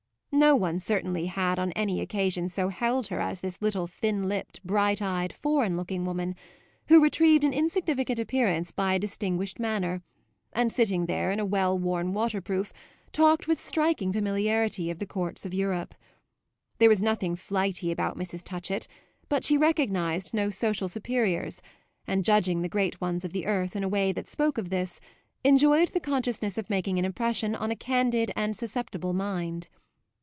No one certainly had on any occasion so held her as this little thin lipped, bright eyed, foreign looking woman, who retrieved an insignificant appearance by a distinguished manner and, sitting there in a well worn waterproof, talked with striking familiarity of the courts of Europe. There was nothing flighty about Mrs. Touchett, but she recognised no social superiors, and, judging the great ones of the earth in a way that spoke of this, enjoyed the consciousness of making an impression on a candid and susceptible mind.